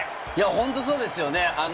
本当にそうでしたね。